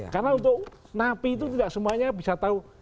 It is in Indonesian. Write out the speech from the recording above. karena untuk napi itu tidak semuanya bisa tahu